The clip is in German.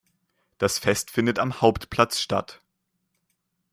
Das Fest findet am Hauptplatz statt.